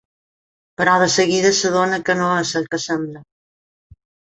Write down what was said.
Però de seguida s'adona que no és el que sembla.